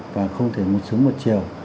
và không thể một sớm một chiều